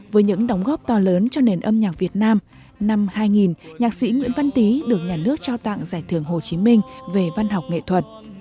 với những đóng góp to lớn cho nền âm nhạc việt nam năm hai nghìn nhạc sĩ nguyễn văn tý được nhà nước trao tặng giải thưởng hồ chí minh về văn học nghệ thuật